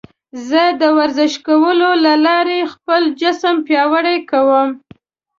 زه د ورزش کولو له لارې خپل جسم پیاوړی کوم.